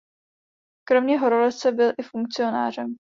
Kromě horolezce byl i funkcionářem.